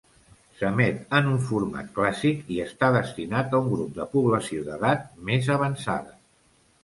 S'emet en un format clàssic i està destinat a un grup de població d'edat més avançada.